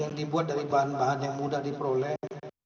yang dibuat dari bahan bahan yang mudah diperoleh